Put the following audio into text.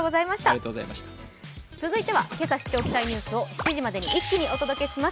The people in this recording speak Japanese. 続いてはけさ知っておきたいニュースを７時までに一気にお届けします。